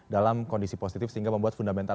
dalam kondisi positif sehingga membuat fundamental